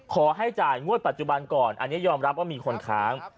ขอให้จ่ายงวดปัจจุบันก่อนอันนี้ยอมรับว่ามีคนค้าง